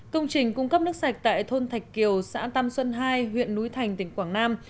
công trình cung cấp nước sạch tại thôn thạch kiều xã tam xuân hai huyện núi thành tỉnh quảng nam